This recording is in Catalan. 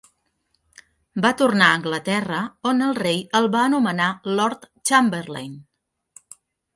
Va tornar a Anglaterra, on el rei el va anomenar Lord Chamberlain.